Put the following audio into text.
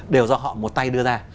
đều do họ một tay đưa ra